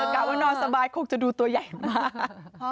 กะว่านอนสบายคงจะดูตัวใหญ่มาก